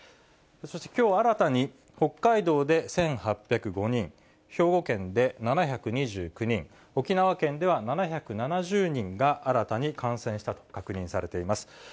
そしてきょう新たに北海道で１８０５人、兵庫県で７２９人、沖縄県では７７０人が新たに感染したと確認されています。